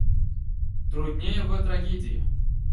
Труднее в трагедии.